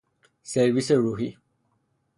سرویس روحی